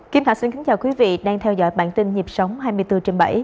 kim thạch xin kính chào quý vị đang theo dõi bản tin nhịp sống hai mươi bốn trên bảy